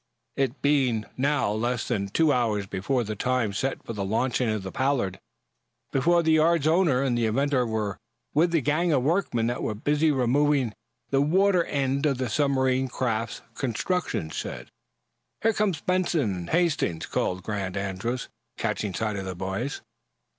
It being, now, less than two hours before the time set for the launching of the "Pollard," both the yard's owner and the inventor were with the gang of workmen that was busy removing the water end of the submarine craft's construction shed. "Here come Benson and Hastings," called Grant Andrews, catching sight of the boys.